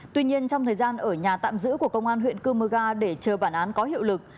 tuy nhiên trong thời gian ở nhà tạm giữ của công an huyện cơ mơ ga để chờ bản án có hiệu lực